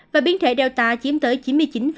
và biến thể delta chiếm tới chín mươi chín chín